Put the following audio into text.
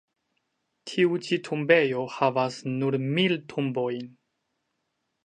Tiu ĉi tombejo havas nur mil tombojn.